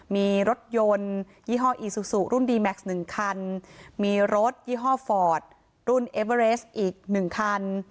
มีรถยนต์ยี่ห้ออีซูซูรุ่นดีแม็กซ์๑คันมีรถยี่ห้อฟอร์ดรุ่นเอเวอเรสอีก๑คัน